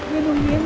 lo ngapain di sini